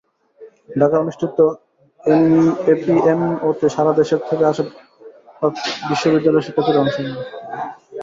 ঢাকায় অনুষ্ঠিত এপিএমওতে সারা দেশ থেকে আসা প্রাক-বিশ্ববিদ্যালয় পর্যায়ের শিক্ষার্থীরা অংশ নেন।